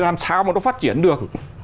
làm sao mà nó phát triển được